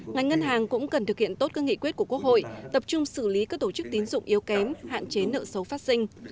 ngành ngân hàng cũng cần thực hiện tốt các nghị quyết của quốc hội tập trung xử lý các tổ chức tín dụng yếu kém hạn chế nợ xấu phát sinh